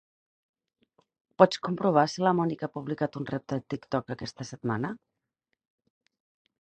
Pots comprovar si la Mònica ha publicat un repte a TikTok aquesta setmana?